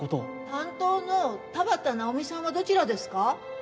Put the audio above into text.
担当の田畑奈緒美さんはどちらですか？